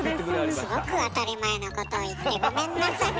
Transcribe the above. すごく当たり前のことを言ってごめんなさい。